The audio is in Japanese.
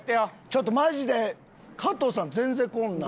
ちょっとマジで加藤さん全然来んな。